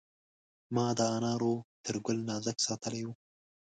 ما د انارو تر ګل نازک ساتلی و.